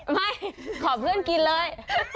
ไม่ขอเพื่อนกินเลย